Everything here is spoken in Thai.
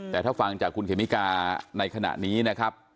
แต่ถ้าฟังจากคุณเขมิกาในขณะนี้นะครับ